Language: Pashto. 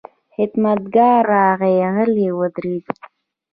خدمتګار راغی، غلی ودرېد.